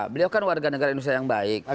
beliau kan warga negara indonesia yang baik